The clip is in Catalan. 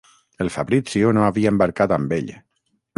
El Fabrizio no havia embarcat amb ell.